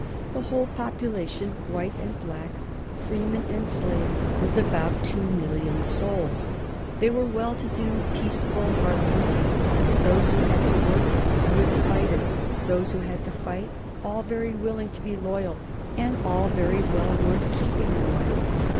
The whole population, white and black, freeman and slave, was about two million souls. They were well to do, peaceable, hard working those who had to work, good fighters those who had to fight, all very willing to be loyal and all very well worth keeping loyal.